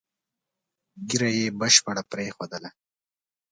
ږیره یې بشپړه پرېښودله.